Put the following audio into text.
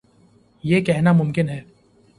یہ کہنا ممکن ہے۔